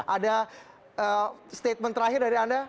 ada statement terakhir dari anda